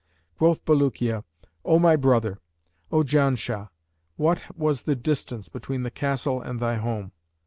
Quoth Bulukiya, 'O my brother, O Janshah, what was the distance between the Castle and thy home?'